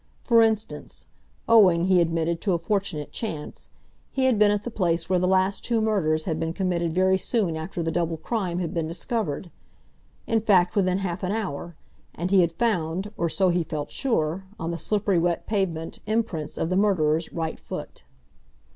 For instance, owing, he admitted, to a fortunate chance, he had been at the place where the two last murders had been committed very soon after the double crime had been discovered—in fact within half an hour, and he had found, or so he felt sure, on the slippery, wet pavement imprints of the murderer's right foot.